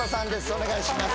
お願いします